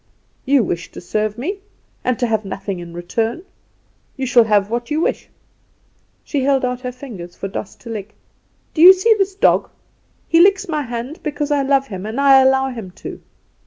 You wish to serve me, and to have nothing in return! you shall have what you wish." She held out her fingers for Doss to lick. "Do you see this dog? He licks my hand because I love him; and I allow him to.